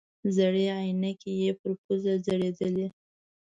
زړې عینکې یې پر پوزه ځړېدلې.